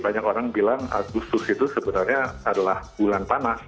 banyak orang bilang agustus itu sebenarnya adalah bulan panas